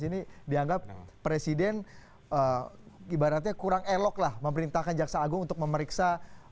ini dianggap presiden ibaratnya kurang eloklah memerintahkan jaksa agung untuk menutupi